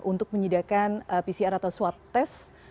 untuk menyediakan pcr atau swab test